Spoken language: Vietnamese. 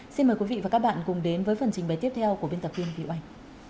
xin mời quý vị và các bạn cùng đến với phần trình bày tiếp theo của biên tập viên vị oanh